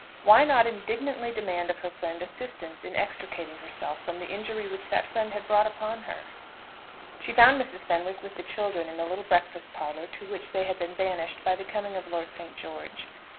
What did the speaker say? Why not indignantly demand of her friend assistance in extricating herself from the injury which that friend had brought upon her? She found Mrs. Fenwick with the children in the little breakfast parlour to which they had been banished by the coming of Lord St. George.